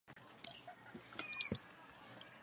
这种药物特别对治疗妊娠高血压综合征有着疗效。